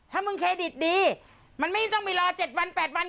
ถ้ามึงเครดิตดีมันไม่ต้องไปรอ๗วัน๘วัน